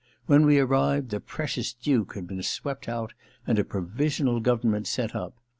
When we arrived the precious Duke had been swept out and a pro visional government set up.